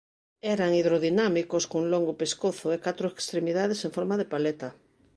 Eran hidrodinámicos cun longo pescozo e catro extremidades en forma de paleta.